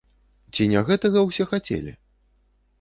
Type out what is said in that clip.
Ці не гэтага ўсе хацелі?